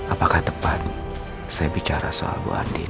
apakah tepat saya bicara soal bu adin